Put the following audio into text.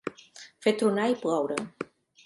Fer tronar i ploure.